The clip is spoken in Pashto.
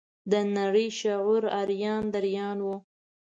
د نړۍ شعور اریان دریان و.